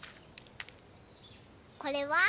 これは？